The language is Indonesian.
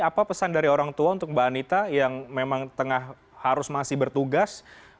apa pesan dari orang tua untuk mbak anita yang memang tengah harus masih bertugas